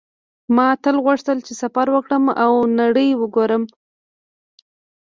ما تل غوښتل چې سفر وکړم او نړۍ وګورم